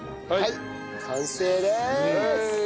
はい完成です！